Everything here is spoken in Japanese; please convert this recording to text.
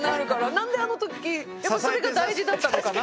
何であの時やっぱりそれが大事だったのかな？